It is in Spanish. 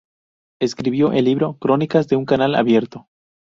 Escribió el libro "Crónicas de un canal abierto".